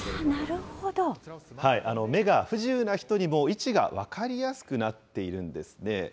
目が不自由な人にも位置が分かりやすくなっているんですね。